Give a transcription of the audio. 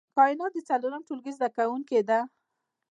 کاينات د څلورم ټولګي زده کوونکې ده